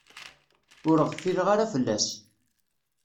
Ur ɣfileɣ ara fell-as.